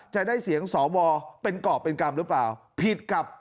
จะได้เสียงสวเป็นเกาะเป็นกรรมหรือเปล่า